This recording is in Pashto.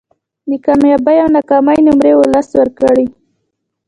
د کامیابۍ او ناکامۍ نمرې ولس ورکړي